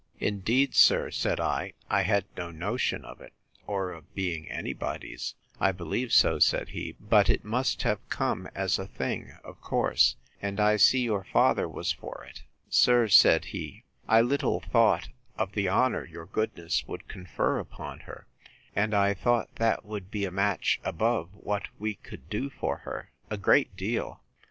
Indeed, sir, said I, I had no notion of it, or of being any body's. I believe so, said he; but it must have come as a thing of course; and I see your father was for it. Sir, said he, I little thought of the honour your goodness would confer upon her; and I thought that would be a match above what we could do for her, a great deal.